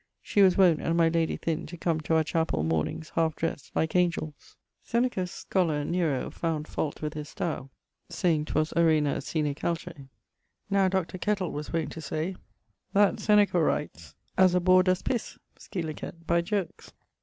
[IX.] She was wont, and my lady Thynne, to come to our Chapell, mornings, halfe dressd, like angells. Seneca's scholar Nero found fault with his style, saying 'twas arena sine calce: now Dr. Kettle was wont to say that 'Seneca writes, as a boare does pisse,' scilicet, by jirkes.